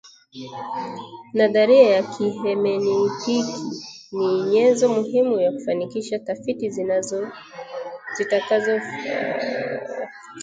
Nadharia ya kihemenitiki ni nyenzo muhimu ya kufanikisha tafiti zitakazofuata